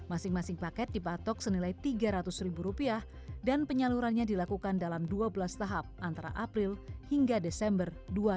masing masing paket dipatok senilai tiga ratus ribu rupiah dan penyalurannya dilakukan dalam dua belas tahap antara april hingga desember dua ribu dua puluh